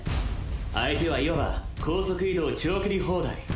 相手はいわば高速移動長距離砲台。